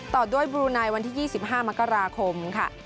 ต่อด้วยบรูไนท์วันที่๒๕มกราคม